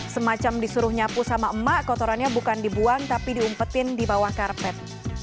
semacam disuruh nyapu sama emak kotorannya bukan dibuang tapi diumpetin di bawah karpet